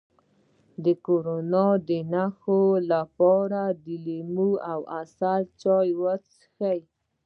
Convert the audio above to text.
د کرونا د نښو لپاره د لیمو او عسل چای وڅښئ